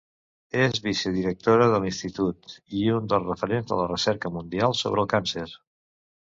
És vicedirectora de l'Institut, i un dels referents de la recerca mundial sobre el càncer.